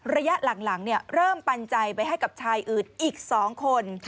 ระยะหลังเริ่มปันใจไปให้กับชายอื่นอีก๒คน